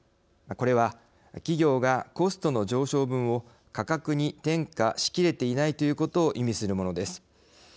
これは、企業がコストの上昇分を価格に転嫁しきれていないということを意味するものです。